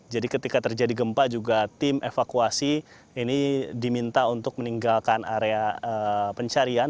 jadi ketika terjadi gempa juga tim evakuasi ini diminta untuk meninggalkan area pencarian